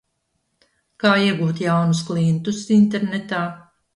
Kā iegūt jaunus klientus internetā?